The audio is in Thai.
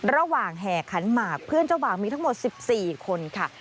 แห่ขันหมากเพื่อนเจ้าบ่าวมีทั้งหมด๑๔คนค่ะ